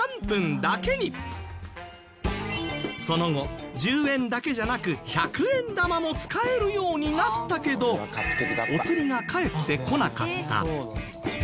その後１０円だけじゃなく１００円玉も使えるようになったけどお釣りが返ってこなかった。